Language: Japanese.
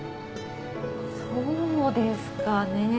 そうですかね。